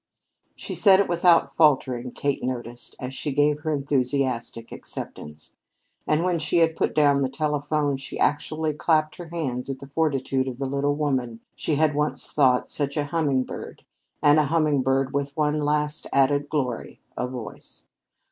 She said it without faltering, Kate noticed, as she gave her enthusiastic acceptance, and when she had put down the telephone, she actually clapped her hands at the fortitude of the little woman she had once thought such a hummingbird and a hummingbird with that one last added glory, a voice.